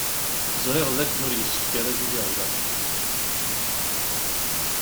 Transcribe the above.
Ẓriɣ d akken ur yessefk ara ad iliɣ da.